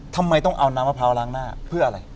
ทำไมต้องเอาน้ำมะพร้าวล้างหน้าเพื่ออะไร